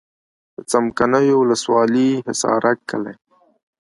د څمکنیو ولسوالي حصارک کلی.